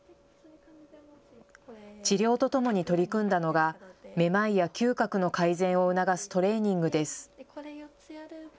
治療とともに取り組んだのがめまいや嗅覚の改善を促すトレーニングです。